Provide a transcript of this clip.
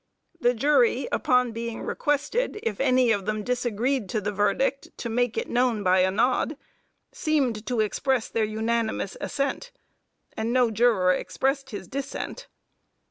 The jury, upon being requested, if any of them disagreed to the verdict to make, it known by a nod, seemed to express their unanimous assent; and no juror expressed his dissent."